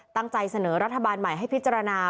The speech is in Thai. ตั้งใจเสนอรัฐบาลใหม่ให้พิจารณา